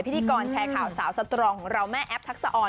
พิธีกรแชร์ข่าวสาวสตรองของเราแม่แอฟทักษะออน